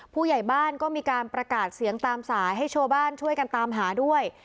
ผู้ใหญ่บ้านก็มีการประกาศเสียงตามสายให้ชาวบ้านช่วยกันตามหาด้วย